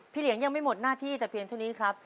เหลียงยังไม่หมดหน้าที่แต่เพียงเท่านี้ครับ